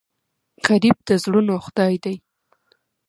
غریب د زړونو خدای دی